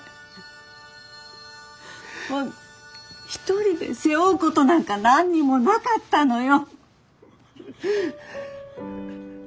一人で背負うことなんか何にもなかったのよ。